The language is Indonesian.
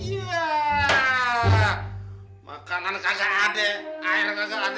iya makanan kakak ada air kakak ada